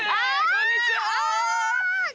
こんにちは！